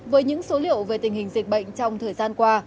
với những số liệu về tình hình dịch bệnh trong thời gian qua